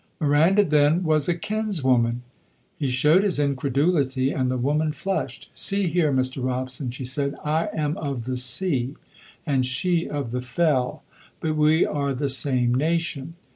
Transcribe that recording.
Miranda, then, was a kinswoman! He showed his incredulity, and the woman flushed. "See here, Mr. Robson," she said, "I am of the sea, and she of the fell, but we are the same nation.